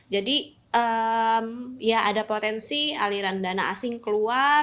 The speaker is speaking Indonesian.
jadi ya ada potensi aliran dana asing keluar